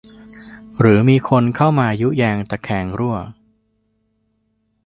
หรือมีคนเข้ามายุแยงตะแคงรั่ว